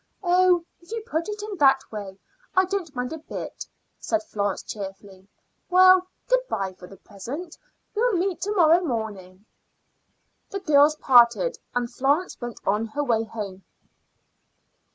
"Oh, if you put it in that way, I don't mind a bit," said Florence cheerfully. "Well, good bye for the present. We'll meet to morrow morning." The girls parted, and Florence went on her way home.